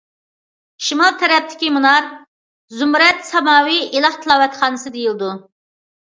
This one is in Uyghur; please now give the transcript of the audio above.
شىمال تەرەپتىكى مۇنار‹‹ زۇمرەت ساماۋى ئىلاھ تىلاۋەتخانىسى›› دېيىلىدۇ.